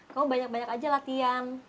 kamu banyak banyak aja latihan